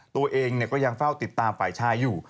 ตัวเองก็ยังเฝ้าติดตามฝ่ายชายอยู่